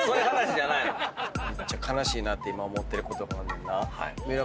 めっちゃ悲しいなって今思ってることがあんねんな。